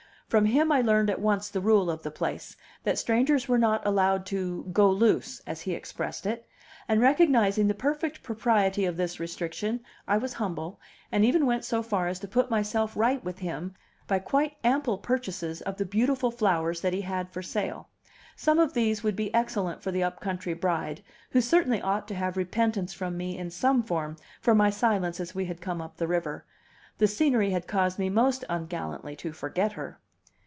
From him I learned at once the rule of the place, that strangers were not allowed to "go loose," as he expressed it; and recognizing the perfect propriety of this restriction, I was humble, and even went so far as to put myself right with him by quite ample purchases of the beautiful flowers that he had for sale; some of these would be excellent for the up country bride, who certainly ought to have repentance from me in some form for my silence as we had come up the river: the scenery had caused me most ungallantly to forget her.